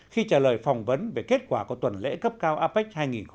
khi trả lời phỏng vấn về kết quả của tuần lễ cấp cao apec hai nghìn một mươi tám